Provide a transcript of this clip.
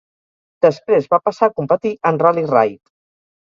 Després va passar a competir en Ral·li raid.